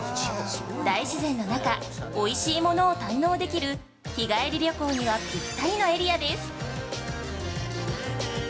大自然の中、おいしいものを堪能できる日帰り旅行にはぴったりのエリアです。